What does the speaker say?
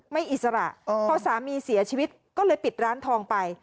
อิสระพอสามีเสียชีวิตก็เลยปิดร้านทองไป